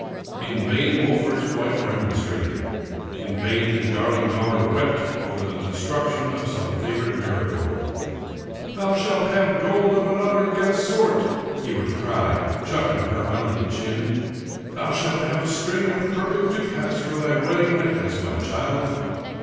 In vain Wolfert's wife remon strated ; in vain his darling daughter wept over the destruc tion of some favorite marigold. " Thou shalt have gold of another guess ^ sort," he would cry, chucking her under the chin ;" thou shalt have a string of crooked ducats for thy wedding necklace, my child."